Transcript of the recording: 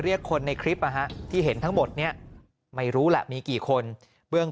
เรียกคนในคลิปที่เห็นทั้งหมดเนี่ยไม่รู้แหละมีกี่คนเบื้อง